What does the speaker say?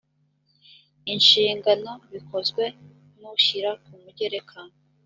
inshingano bikozwe n ushyira kumugereka